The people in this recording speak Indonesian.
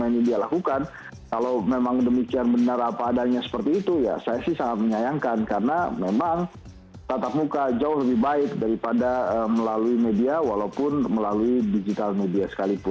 yang dia lakukan kalau memang demikian benar apa adanya seperti itu ya saya sih sangat menyayangkan karena memang tatap muka jauh lebih baik daripada melalui media walaupun melalui digital media sekalipun